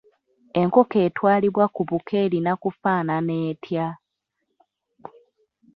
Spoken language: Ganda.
Enkoko etwalibwa ku buko erina kufaanana etya?